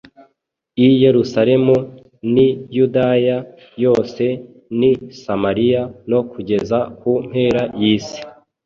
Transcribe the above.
i Yerusalemu n’i Yudaya yose n’i Samariya no kugeza ku mpera y’isi